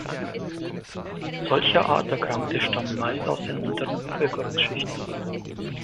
Solcherart Erkrankte stammen meist aus den unteren Bevölkerungsschichten.